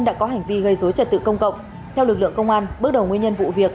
đã có hành vi gây dối trật tự công cộng theo lực lượng công an bước đầu nguyên nhân vụ việc